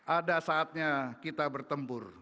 ada saatnya kita bertempur